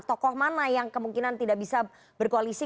tokoh mana yang kemungkinan tidak bisa berkoalisi